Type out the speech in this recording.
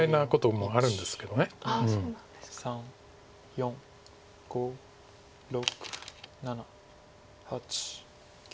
４５６７８９。